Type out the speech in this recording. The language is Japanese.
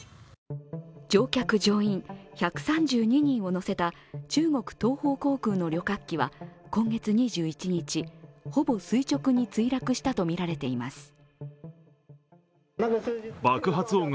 乗客・乗員１３２人を乗せた中国東方航空の旅客機は今月２１日、ほぼ垂直に墜落したとみられています。